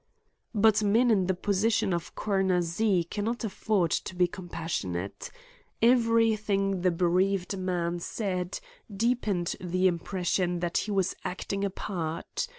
But men in the position of Coroner Z. can not afford to be compassionate. Everything the bereaved man said deepened the impression that he was acting a part.